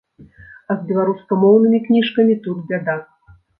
А з беларускамоўнымі кніжкамі тут бяда.